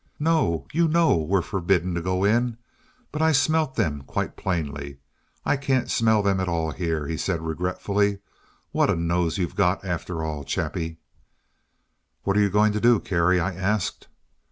"No, you know we're forbidden to go in, but I smelt them quite plainly. I can't smell them at all here," he said regretfully. "What a nose you have got, after all, Chappie!" "What are you going to do, Kerry?" I asked.